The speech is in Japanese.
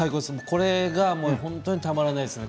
これは本当にたまらないですね。